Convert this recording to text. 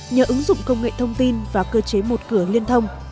nhờ ứng dụng công nghệ thông tin và cơ chế một cửa liên thông